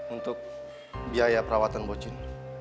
untuk biaya perawatan mbok jin